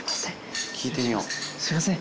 すいません。